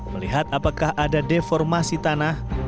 melihat apakah ada deformasi tanah